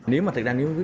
nếu mà thật ra nếu cứ